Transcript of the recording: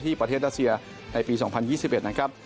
ประเทศรัสเซียในปี๒๐๒๑นะครับ